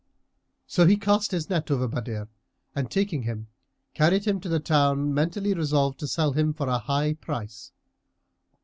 So he cast his net over Badr and taking him, carried him to the town, mentally resolved to sell him for a high price.